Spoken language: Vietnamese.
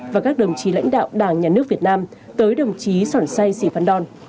và các đồng chí lãnh đạo đảng nhà nước việt nam tới đồng chí sòn sai sì phan đòn